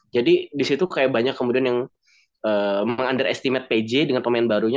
jadi disitu kayak banyak kemudian yang meng underestimate pj dengan pemain barunya